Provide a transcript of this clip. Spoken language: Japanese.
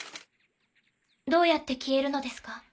どうやって消えるのですか？